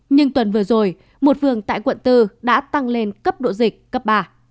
nhưng tuần vừa rồi một phường tại quận bốn đã tăng lên cấp độ dịch cấp ba